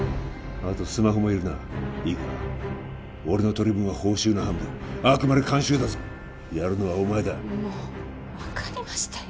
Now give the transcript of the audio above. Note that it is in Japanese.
あとスマホもいるないいか俺の取り分は報酬の半分あくまで監修だぞやるのはお前だもう分かりましたよ